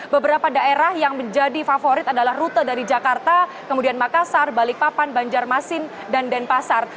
beberapa daerah yang menjadi favorit adalah rute dari jakarta kemudian makassar balikpapan banjarmasin dan denpasar